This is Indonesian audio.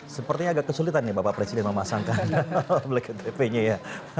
sepertinya agak kesulitan ya bapak presiden memasangkan bktp nya ya